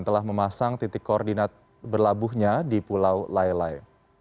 telah memasang titik koordinat berlabuhnya di pulau lailai